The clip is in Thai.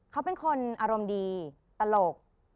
เขาเป็นคนอารมณ์ดีตลก